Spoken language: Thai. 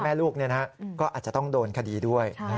พ่อแม่ลูกเนี่ยนะครับก็อาจจะต้องโดนคดีด้วย